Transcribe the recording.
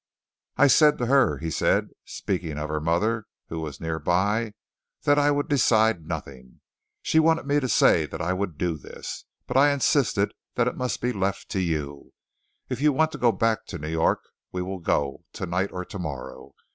"I said to her," he said, speaking of her mother, who was near by, "that I would decide nothing. She wanted me to say that I would do this, but I insisted that it must be left to you. If you want to go back to New York, we will go, tonight or tomorrow.